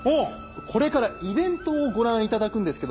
これからイベントをご覧頂くんですけども。